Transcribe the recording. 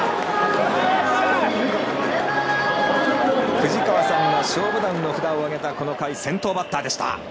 藤川さんが「勝負眼」の札を上げたこの回、先頭バッターでした。